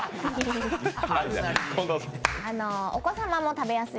お子さまも食べやすい。